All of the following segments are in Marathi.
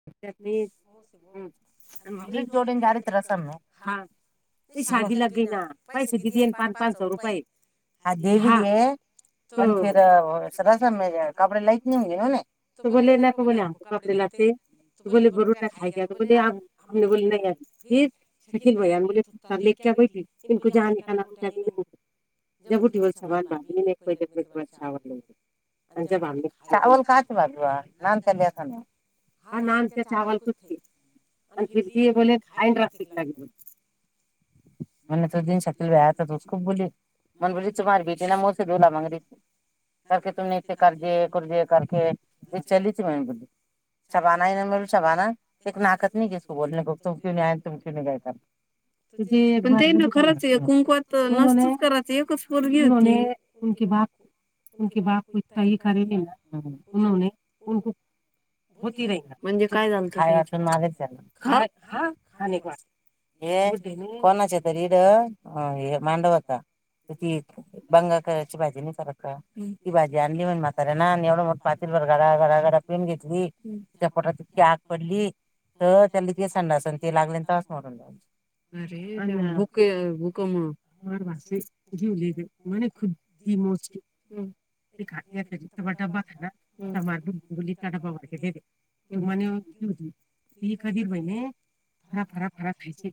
[unintelligible] हो स ब आणि जोड दारीच रसम नाही हा. नाही साध लागे ना पैसे दिदी पाच स रुपय हा. [unintelligible] डे त बो ना को बोम. [inaudible] कापडे ला ते. त बोोलले ब ररोट्या खाय को बोोलले अ हमने बोले नाही अभी फि शकील भैयान बोले थुत्तार लेक क्या बैठी. [unintelligible] इनको जाने का ना रोट्या दे ना इनको. [unintelligible] जब ऊठी [unintelligible] ठेवोल समन भाभी एक पजेटे तुम्हाार चचावल ल गे. आणिच्या भाब खाय काच बाजू लहान काली ना. हा नान आमत्या चावल कुच के आणि फरभी बोले थीली बोले खाईड रास्तिक ल [unintelligible] म्हण त दिन श कील भैया च्या दोस को बोली [unintelligible] म्हण बरीच मार भीटी म मोस दिुला मग र ही थी [unintelligible] ताकी तुमते इत्ते कर दीए कुर दीर करके चलीयी [unintelligible] तुमही इथे करजे करुर्जे करक ते चलीच म बोलली. छबा [unintelligible] ना है ना शबाना आहे ना म चबाना एक नााकत नाही किसको बोलने तुम क्यू नाही आय तुम क्यू नाही गय कर. पण ते ना खरच कुंकवात नसतीच करायचं एकच फरगी नाही. [inaudible] ऊनके बाप को इत्ता हे करेले ऊनको [unintelligible] भूती रहिंगा म्हणजे काय झाल [unintelligible] त वाचून मलेच त्यांना ह अक वा. ये या इथनई कोणाच तरी ईथ हे मांडो होता. किती बंगा कची भाजी नाही फरक का ती भाजी आणली म्हण म्हातारा ना एवढं मोठ पातील बर घडा घड घडा पीऊन म घेतली त्या पोटात. ईतकी आग पडली तर त्याला ते संड असन ते लागले तहस पासुन. अरे भूक भूकम. मने खुद्दी मोजके. ते [unintelligible] डबबा [unintelligible] डबबा भरके दे दे. मणे [unintelligible] खिकधी भाई ने. हरा फरा फरा खायचे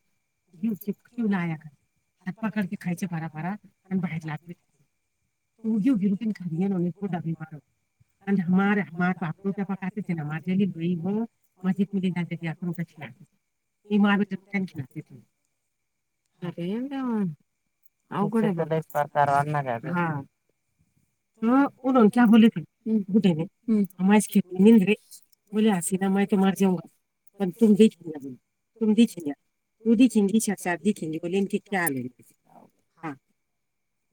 [unintelligible] हातपाकडके खायचे फारा फारा आणि बाहेरलात. [unintelligible] [unintelligible] [unintelligible] [unintelligible] हा उनोने क्या बोले ते [unintelligible] मुले हसिना माहि तुम्हा जेव्हा पण [unintelligible] [unintelligible]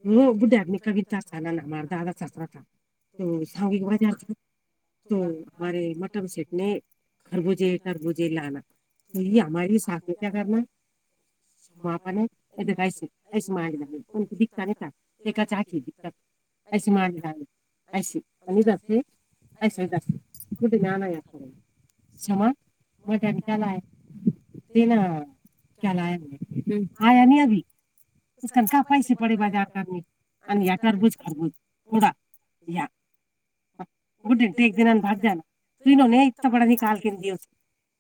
हम्म बुढे आदमी [unintelligible] दादा [unintelligible] ते सांगी [unintelligible] तो हमारे मटन सपने खरबूजे तरबूजे लाना. की हमारीे सासने क्या करणार. शमा आप्पा ने ये देख ऐस ऐसे मांडी दाले नको दिखता नाही एका च [unintelligible] ऐसे मांडी डालना ऐसे आण इधर से ऐसे [unintelligible] क्षमा [unintelligible] क्या [unintelligible] क्या लाया नाही, आया नही अभी. का पैसे पडेे बाजार करणे आणि या टरबूज खरबूज मोडा. या [unintelligible] भाग जा ना. त इनोने इता बडा निकाल के दे उसको.